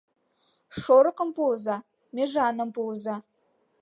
Шорыкым пуыза — межаным пуыза